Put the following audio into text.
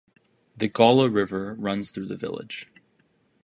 The Gaula River runs through the village.